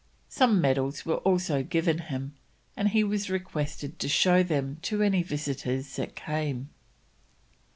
Some medals were also given him, and he was requested to show them to any visitors that came.